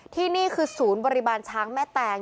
ที่นี่คือศูนย์บริบาลช้างแม่แตง